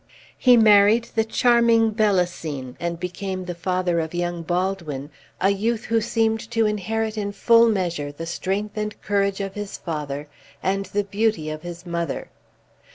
He married the charming Belicene, and became the father of young Baldwin, a youth who seemed to inherit in full measure the strength and courage of his father and the beauty of his mother.